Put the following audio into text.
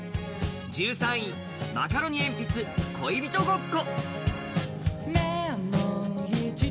１３位、マカロニえんぴつ「恋人ごっこ」